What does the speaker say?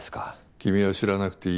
君は知らなくていい。